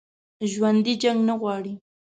ژوندي جنګ نه غواړي